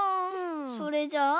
それじゃあ。